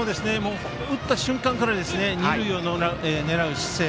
打った瞬間から二塁を狙う姿勢。